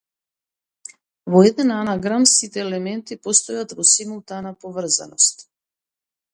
Во еден анаграм сите елементи постојат во симултана поврзаност.